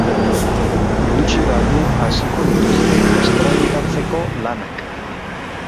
Gutxi barru hasiko dituzte estraditatzeko lanak.